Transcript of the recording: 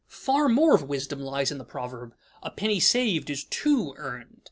Far more of wisdom lies in the proverb, "A penny saved is two earned."